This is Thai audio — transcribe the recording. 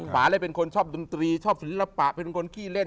ป่าเลยเป็นคนชอบดนตรีชอบศิลปะเป็นคนขี้เล่น